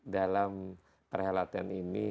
dalam perhelatan ini